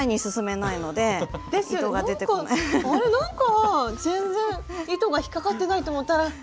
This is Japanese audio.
なんかあれなんか全然糸が引っ掛かってないと思ったら。